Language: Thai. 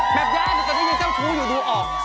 แบบได้แต่ไม่ได้ยังเจ้าชู้อยู่ดูออก